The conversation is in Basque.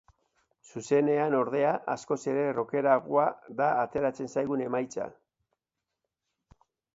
Zuzenean, ordea, askoz ere rockeroagoa da ateratzen zaigun emaitza.